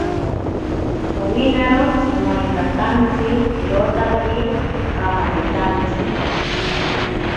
Owinaro tsimainkatantsi irotaki kamanintantsi.